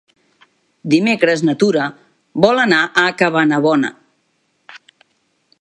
Dimecres na Tura vol anar a Cabanabona.